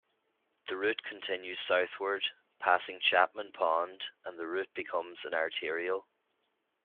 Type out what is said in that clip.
The route continues southward, passing Chapman Pond and the route becomes an arterial.